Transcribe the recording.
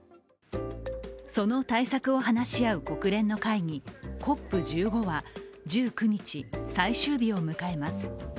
その対策を話し合う国連の会議、ＣＯＰ１５は１９日、最終日を迎えます。